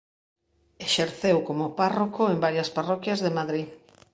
Exerceu como párroco en varias parroquias de Madrid.